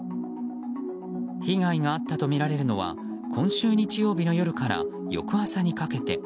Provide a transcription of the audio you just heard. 被害があったとみられるのは今週日曜日の夜から翌朝にかけて。